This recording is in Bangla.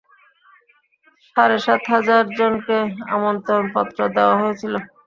সাড়ে সাত হাজার জনকে আমন্ত্রণপত্র দেওয়া হয়েছিল।